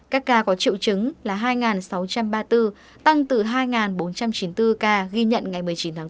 các ca có triệu chứng là hai sáu trăm ba mươi bốn tăng từ hai bốn trăm chín mươi bốn ca ghi nhận ngày một mươi chín tháng bốn